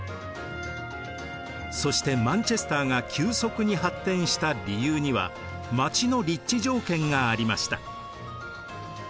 そしてマンチェスターが急速に発展した理由には町の立地条件がありました。